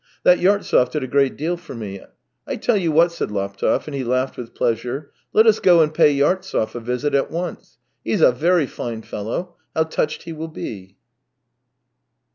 That Yartsev did a great deal for me. I tell you what," said Laptev, and he laughed with pleasure, " let us go and pay Yartsev a visit at once. He's a very fine fellow ! How touched he will be